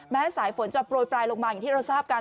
สายฝนจะโปรยปลายลงมาอย่างที่เราทราบกัน